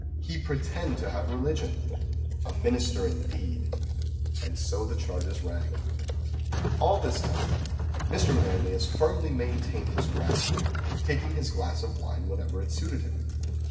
"He pretend to have religion!" "A minister indeed!" And so the changes rang. All this time, Mr. Manlius firmly maintained his ground, taking his glass of wine whenever it suited him.